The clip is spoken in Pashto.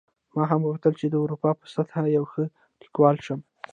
ما هم غوښتل چې د اروپا په سطحه یو ښه لیکوال شم